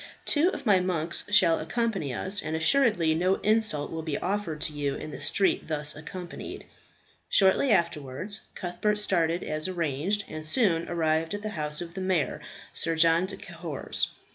Two of my monks shall accompany us; and assuredly no insult will be offered to you in the street thus accompanied." Shortly afterwards, Cuthbert started as arranged, and soon arrived at the house of the mayor, Sir John de Cahors.